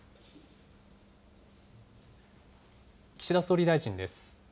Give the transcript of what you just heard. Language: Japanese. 岸田総理大臣です。